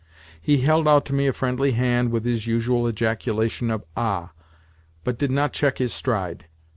He held out to me a friendly hand, with his usual ejaculation of "Ah!" but did not check his stride.